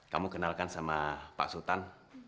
kamu kenalkan sama pak sultan